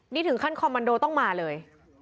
นี่ถึงขั้นคอมมันโดต้องมาเลย